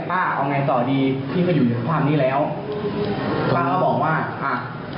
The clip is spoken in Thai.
ผมก็ให้เขาไปขอเจ็บบาท